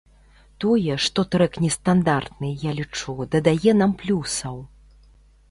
Тое, што трэк нестандартны, я лічу, дадае нам плюсаў.